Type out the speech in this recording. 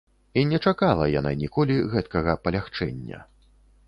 І не чакала яна ніколі гэткага палягчэння.